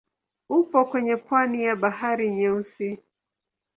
Upo kwenye pwani ya Bahari Nyeusi.